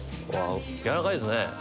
軟らかいですね。